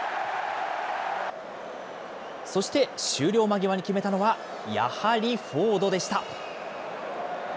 そして終了間際に決めたのは、やはりフォードでした。